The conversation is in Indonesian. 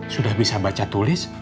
sudah bisa baca tulis